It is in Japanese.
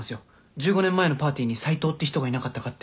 １５年前のパーティーに斉藤って人がいなかったかって。